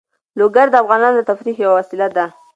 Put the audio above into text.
لوگر د افغانانو د تفریح یوه وسیله ده.